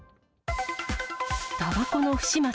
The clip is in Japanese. たばこの不始末？